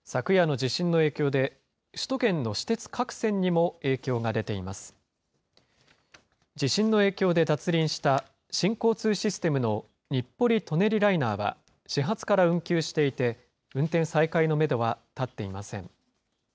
地震の影響で脱輪した新交通システムの日暮里・舎人ライナーは始発から運休していて、運転再開のメドは立っていません。